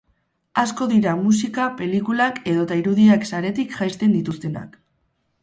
Asko dira musika, pelikulak edota irudiak saretik jaisten dituztenak.